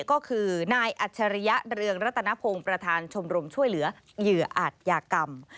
ก็คือนายอัจฉริยะเรืองรัตนพงศ์ประธานชมรมช่วยเหลือเหยื่ออาจยากรรม